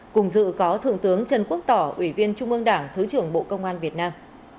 cùng dự có thượng tướng trần quốc tỏ ủy viên trung ương đảng thứ trưởng bộ công an việt nam